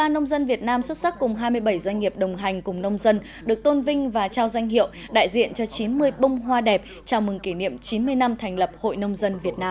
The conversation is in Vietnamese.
ba mươi nông dân việt nam xuất sắc cùng hai mươi bảy doanh nghiệp đồng hành cùng nông dân được tôn vinh và trao danh hiệu đại diện cho chín mươi bông hoa đẹp chào mừng kỷ niệm chín mươi năm thành lập hội nông dân việt nam